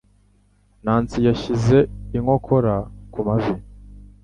Nancy yashyize inkokora ku mavi.